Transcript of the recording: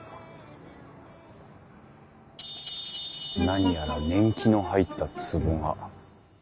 何やら年季の入ったつぼが。